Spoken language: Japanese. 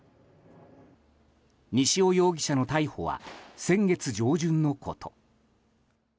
西尾容疑者の逮捕は先月上旬のこと。